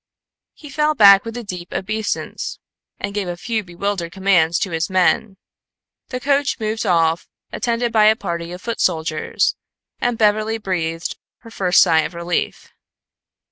He fell back with a deep obeisance, and gave a few bewildered commands to his men. The coach moved off, attended by a party of foot soldiers, and Beverly breathed her first sigh of relief.